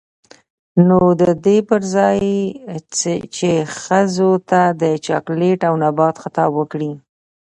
نـو د دې پـر ځـاى چـې ښـځـو تـه د چـاکـليـت او نـبـات خـطاب وکـړي.